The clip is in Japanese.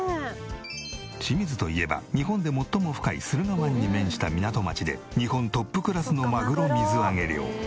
清水といえば日本で最も深い駿河湾に面した港町で日本トップクラスのマグロ水揚げ量。